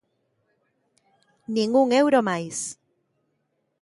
¡Nin un euro máis!